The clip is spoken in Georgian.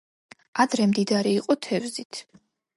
ადრე მდიდარი იყო თევზით.